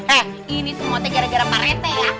eh ini semua teh gara gara pak rt ya